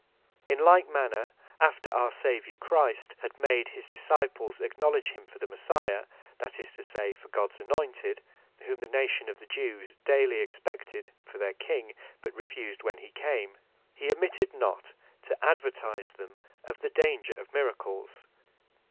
In like manner, after our Saviour Christ had made his Disciples acknowledge him for the Messiah, (that is to say, for Gods anointed, whom the nation of the Jews daily expected for their King, but refused when he came,) he omitted not to advertise them of the danger of miracles.